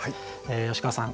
吉川さん